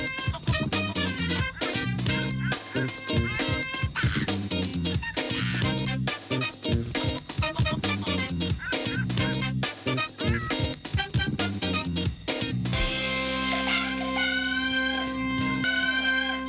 โปรดติดตามตอนต่อไป